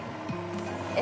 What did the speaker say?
え。